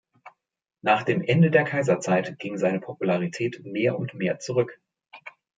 Nach dem Ende der Kaiserzeit ging seine Popularität mehr und mehr zurück.